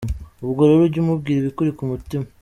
Ubwo rero ujye umubwira ibikuri ku mutima.